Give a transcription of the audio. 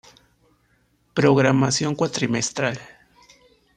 Programación cuatrimestral.